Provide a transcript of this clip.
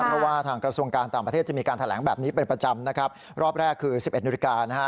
เพราะว่าทางกระทรวงการต่างประเทศจะมีการแถลงแบบนี้เป็นประจำนะครับรอบแรกคือสิบเอ็ดนาฬิกานะฮะ